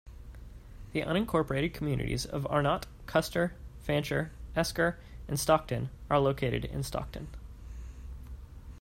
The unincorporated communities of Arnott, Custer, Fancher, Esker, and Stockton are located in Stockton.